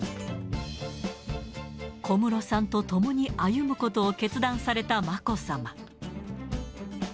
小室さんと共に歩むことを決断されたまこさま。